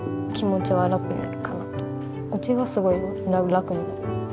うちがすごい楽になる。